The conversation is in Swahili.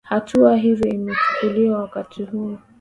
hatua hiyo imechukuliwa wakati huu